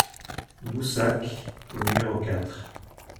Boussac au numéro quatre